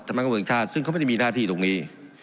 นักการเมืองชาติซึ่งเขาไม่ได้มีหน้าที่ตรงนี้